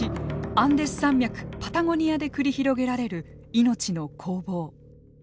アンデス山脈パタゴニアで繰り広げられる命の攻防。